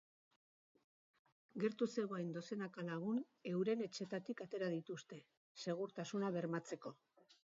Gertu zegoen dozenaka lagun euren etxeetatik atera dituzte, segurtasuna bermatzeko.